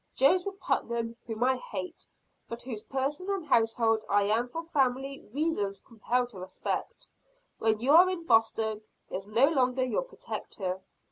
Joseph Putnam, whom I hate, but whose person and household I am for family reasons compelled to respect, when you are in Boston is no longer your protector.